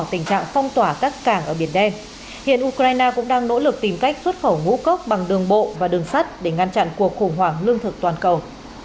trong tình trạng phong tỏa các cảng ở biển đen hiện ukraine cũng đang nỗ lực tìm cách xuất khẩu ngũ cốc bằng đường bộ và đường sắt để ngăn chặn cuộc khủng hoảng lương thực toàn cầu